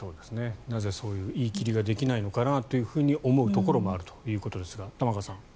なぜそういう言い切りができないのかと思うところもあるということですが玉川さん。